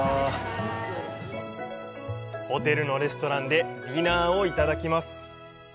ホテルのレストランでディナーをいただきます。